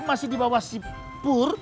masih di bawah si pur